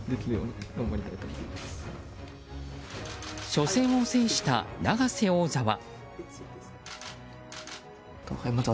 初戦を制した永瀬王座は。